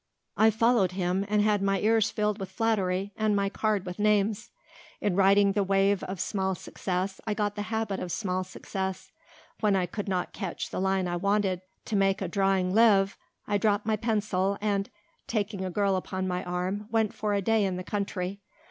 I followed him and had my ears filled with flattery and my card with names. In riding the wave of small success I got the habit of small success. When I could not catch the line I wanted to make a drawing live, I dropped my pencil and, taking a girl upon my arm, went for a day in the country.